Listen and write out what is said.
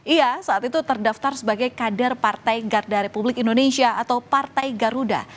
ia saat itu terdaftar sebagai kader partai garda republik indonesia atau partai garuda